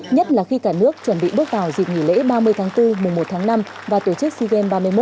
nhất là khi cả nước chuẩn bị bước vào dịp nghỉ lễ ba mươi tháng bốn mùa một tháng năm và tổ chức sea games ba mươi một